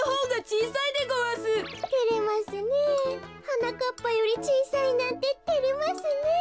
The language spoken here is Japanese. はなかっぱよりちいさいなんててれますねえ。